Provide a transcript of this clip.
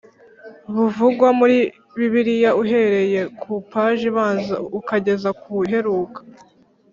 buvugwa muri Bibiliya uhereye ku ipaji ibanza ukageza ku iheruka